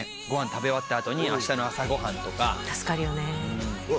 食べ終わったあとに明日の朝ご飯とか助かるよねうわ